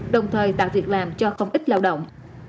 đồng thời tạo việc làm cho không ít lao động